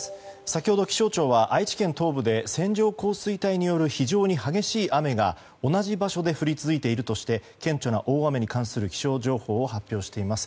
先ほど気象庁は愛知県東部で線状降水帯による非常に激しい雨が同じ場所で降り続いているとして顕著な大雨に関する気象情報を発表しています。